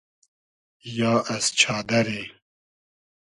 یا از چادئری